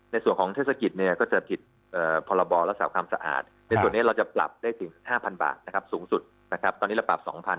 ในส่วนของเทศกิจเนี่ยก็จะผิดพรบรักษาความสะอาดในส่วนนี้เราจะปรับได้ถึง๕๐๐บาทนะครับสูงสุดนะครับตอนนี้เราปรับ๒๐๐๐